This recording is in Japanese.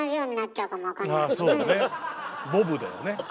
ボブだよね。